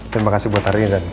terima kasih buat hari ini